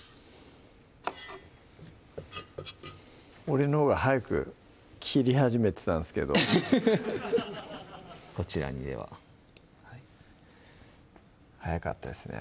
俺のほうが早く切り始めてたんですけどこちらにでは早かったですね